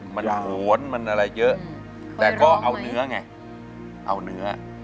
มันโหนมันอะไรเยอะแต่ก็เอาเนื้อไงเอาเนื้อ